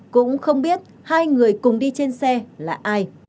cũng không biết hai người cùng đi trên xe là ai